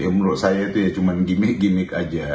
ya menurut saya itu ya cuma gimmick gimmick aja